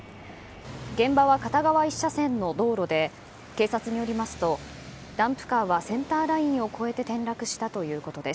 現場は片側１車線の道路で警察によりますとダンプカーはセンターラインを越えて転落したということです。